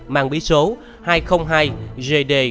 mang bí số hai trăm linh hai gd